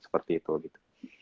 seperti itu gitu